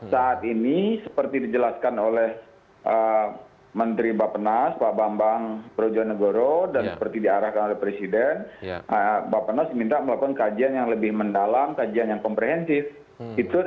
saat ini seperti dijelaskan oleh menteri bapak penas pak bambang brojonegoro dan seperti diarahkan oleh presiden bapak nas minta melakukan kajian yang lebih mendalam kajian yang komprehensif